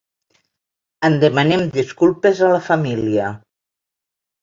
En demanem disculpes a la família.